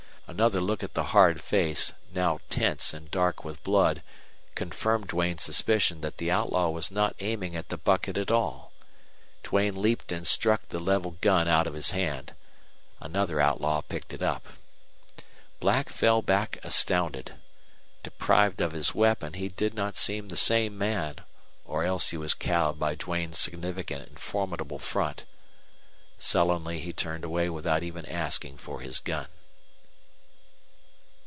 Another look at the hard face, now tense and dark with blood, confirmed Duane's suspicion that the outlaw was not aiming at the bucket at all. Duane leaped and struck the leveled gun out of his hand. Another outlaw picked it up. Black fell back astounded. Deprived of his weapon, he did not seem the same man, or else he was cowed by Duane's significant and formidable front. Sullenly he turned away without even asking for his gun.